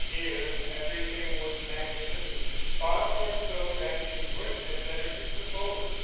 Here, everything was magnificent, far more so than his words had led her to suppose.